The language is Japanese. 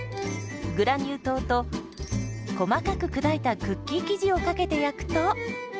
グラニュー糖と細かく砕いたクッキー生地をかけて焼くと。